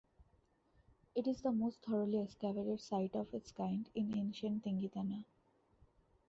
It is the most thoroughly excavated site of its kind in ancient Tingitana.